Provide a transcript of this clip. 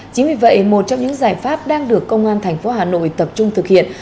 chính vì vậy một trong những giải pháp đang được công an tp hà nội tập trung thực hiện